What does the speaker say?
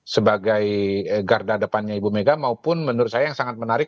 sebagai garda depannya ibu mega maupun menurut saya yang sangat menarik